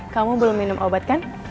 kamu belum minum obat kan